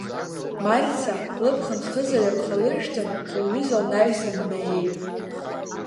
Марица лыԥхынхыза ҩаԥхьалыршәҭын, лҩыза лнаҩсан днаиеит.